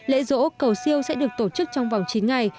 lễ rỗ cầu siêu sẽ được tổ chức trong vòng chín ngày